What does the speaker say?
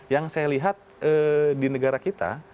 yang saya lihat di negara kita